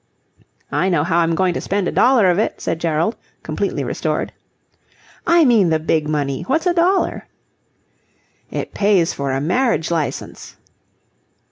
"I know how I'm going to spend a dollar of it," said Gerald completely restored. "I mean the big money. What's a dollar?" "It pays for a marriage licence."